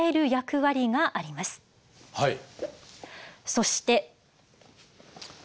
そして。